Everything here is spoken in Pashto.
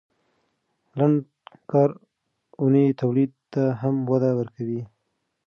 لنډه کاري اونۍ تولید ته هم وده ورکوي.